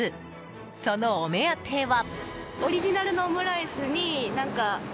そのお目当ては。